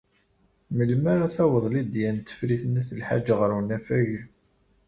Melmi ara taweḍ Lidya n Tifrit n At Lḥaǧ ɣer unafag?